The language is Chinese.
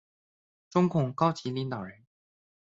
中共高级领导人。